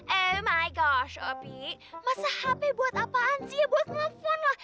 oh my gosh opi masa hp buat apaan sih ya buat nelfon lah